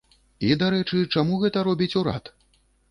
І, дарэчы, чаму гэта робіць урад?